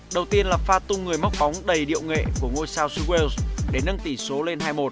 đầu tiên là pha tung người móc bóng đầy điệu nghệ của ngôi south wales để nâng tỷ số lên hai một